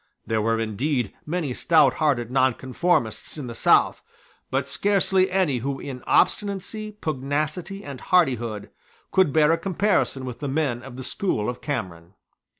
There were indeed many stouthearted nonconformists in the South; but scarcely any who in obstinacy, pugnacity, and hardihood could bear a comparison with the men of the school of Cameron.